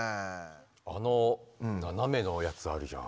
あのななめのやつあるじゃん。